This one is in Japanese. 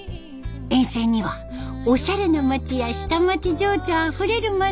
沿線にはオシャレな街や下町情緒あふれる町。